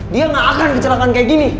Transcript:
dia nggak akan kecelakaan kayak gini